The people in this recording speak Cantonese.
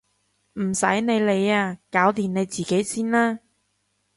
唔使你理啊！搞掂你自己先啦！